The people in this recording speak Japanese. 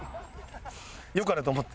よかれと思って。